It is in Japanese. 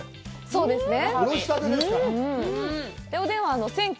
そうですね。